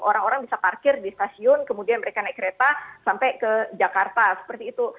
orang orang bisa parkir di stasiun kemudian mereka naik kereta sampai ke jakarta seperti itu